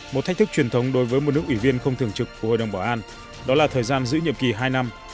một thách thức truyền thống đối với một nước ủy viên không thường trực của hội đồng bảo an đó là thời gian giữ nhiệm kỳ hai năm